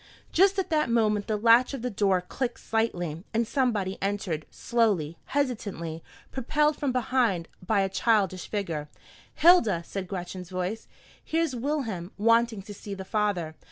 Just at that moment the latch of the door clicked slightly, and somebody entered, slowly, hesitatingly, propelled from behind by a childish figure. "Hilda," said Gretchen's voice, "here's Wilhelm wanting to see the father.